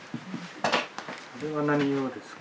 これは何用ですか？